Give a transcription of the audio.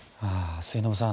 末延さん